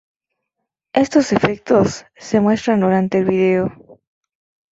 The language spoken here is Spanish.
Estos efectos se muestran durante el vídeo.